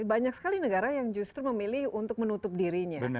banyak sekali negara yang justru memilih untuk menutup dirinya